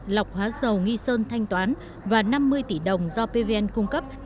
lọc hóa dầu nghi sơn thanh toán và năm mươi tỷ đồng do pvn cung cấp